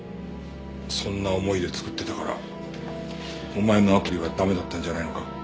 そんな思いで作ってたからお前のアプリは駄目だったんじゃないのか。